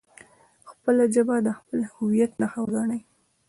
خپله ژبه د خپل هویت نښه وګڼئ.